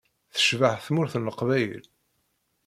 Tecbeḥ Tmurt n Leqbayel.